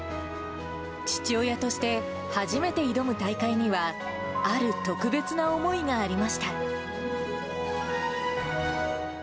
父親として、初めて挑む大会には、ある特別な思いがありました。